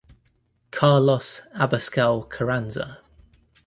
Carlos Abascal Carranza.